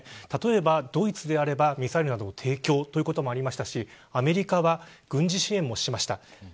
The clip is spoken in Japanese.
例えばドイツであればミサイルなどの提供ということもありましたしアメリカは軍事支援もしました。